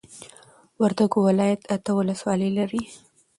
وردوګو ولايت اته ولسوالۍ لري